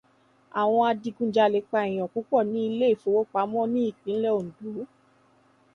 Àwọn adigunjalè pa èèyàn púpọ̀ ní ilé ìfowópamọ́ ní ìpínlẹ̀ Òǹdó.